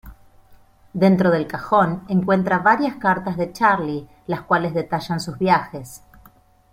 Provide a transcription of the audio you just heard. Dentro del cajón encuentra varias cartas de Charlie, las cuales detallan sus viajes.